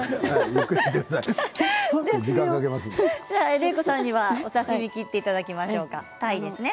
麗子さんにはお刺身を切っていただきましょう。